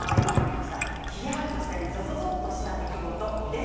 ひやっとしたりゾゾゾッとした出来事です。